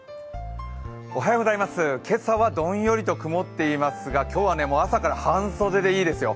今朝はどんよりと曇っていますが今日は朝から半袖でいいですよ。